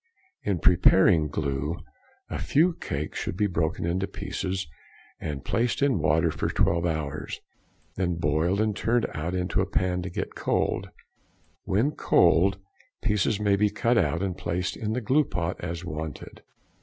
In preparing glue, a few cakes should be broken into pieces and placed in water for twelve hours, then boiled and turned out into a pan to get cold; when cold, pieces may be cut out and placed in the glue pot as wanted.